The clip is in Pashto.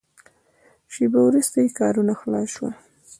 شېبه وروسته یې کارونه خلاص شول.